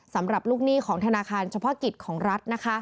สำหรับลูกหนี้ของธนาคารเฉพาะกิจของรัฐนะคะ